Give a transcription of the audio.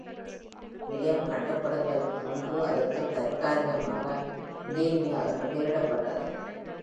நிலையம் கட்டப்படுவதற்கு முன்பு, அதற்கு தற்காலிகமாக Millenia என்று பெயரிடப்பட்டது.